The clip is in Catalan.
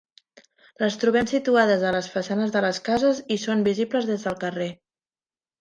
Les trobem situades a les façanes de les cases i són visibles des del carrer.